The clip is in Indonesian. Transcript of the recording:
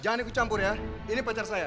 jangan ikut campur ya ini pacar saya